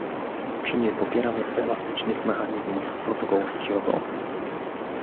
Czy nie popieramy elastycznych mechanizmów protokołu z Kioto?